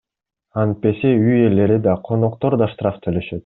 Антпесе үй ээлери да, коноктор да штраф төлөшөт.